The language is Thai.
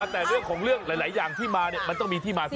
แต่เรื่องของเรื่องหลายอย่างที่มาเนี่ยมันต้องมีที่มาซะ